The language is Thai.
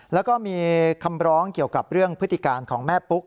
แล้วก็มีคำร้องเกี่ยวกับเรื่องพฤติการของแม่ปุ๊ก